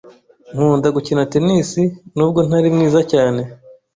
Nkunda gukina tennis, nubwo ntari mwiza cyane.